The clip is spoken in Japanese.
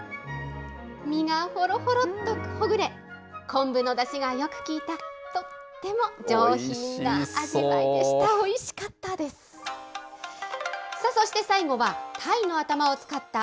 身がほろほろっとほぐれ、昆布のだしがよく効いた、とっても上品な味わいでした。